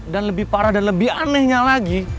dan lebih parah dan lebih anehnya lagi